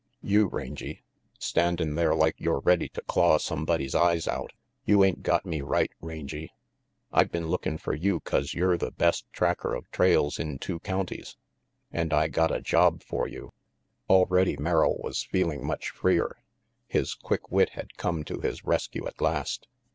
"You, Rangy, standin' there like you're ready to claw sumbody's eyes out. You ain't got me right, Rangy. I been lookin' fer you 'cause yer the best tracker of trails in two counties, and I got a job for you." Already Merrill was feeling much freer. His quick wit had come to his rescue at last.